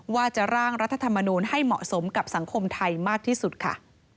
ว่าจะร่างรัฐธรรมนูลให้เหมาะสมกับสังคมไทยมากที่สุดค่ะ